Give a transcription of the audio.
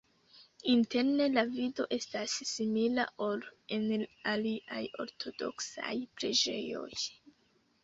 Interne la vido estas simila, ol en la aliaj ortodoksaj preĝejoj.